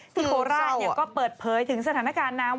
โคราชก็เปิดเผยถึงสถานการณ์น้ำ